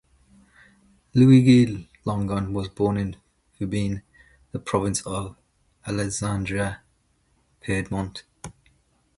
Luigi Longo was born in Fubine, in the province of Alessandria, Piedmont.